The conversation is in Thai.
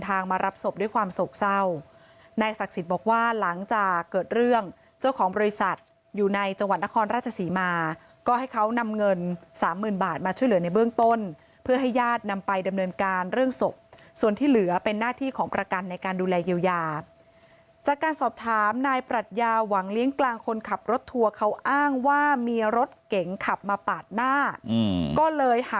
มารับศพด้วยความโศกเศร้านายศักดิ์สิทธิ์บอกว่าหลังจากเกิดเรื่องเจ้าของบริษัทอยู่ในจังหวัดนครราชศรีมาก็ให้เขานำเงินสามหมื่นบาทมาช่วยเหลือในเบื้องต้นเพื่อให้ญาตินำไปดำเนินการเรื่องศพส่วนที่เหลือเป็นหน้าที่ของประกันในการดูแลเยียวยาจากการสอบถามนายปรัชญาหวังเลี้ยงกลางคนขับรถทัวร์เขาอ้างว่ามีรถเก๋งขับมาปาดหน้าก็เลยหา